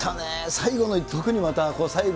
最後のが特にまた、最後。